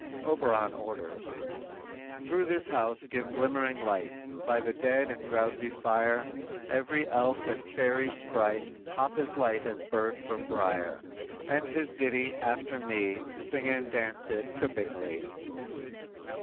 "_ Oberon orders: _"Through this house give glimmering light, By the dead and drowsy fire; Every elf and fairy sprite Hop as light as bird from brier; And his ditty, after me, Sing and dance it trippingly."